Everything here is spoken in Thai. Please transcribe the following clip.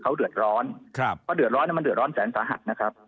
เขาเดือดร้อนครับเพราะเดือดร้อนมันเดือดร้อนแสนสาหัสนะครับ